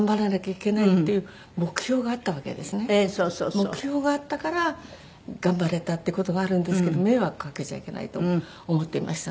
目標があったから頑張れたって事があるんですけど迷惑掛けちゃいけないと思っていましたので。